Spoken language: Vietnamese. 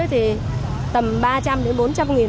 thì tầm ba trăm linh bốn trăm linh nghìn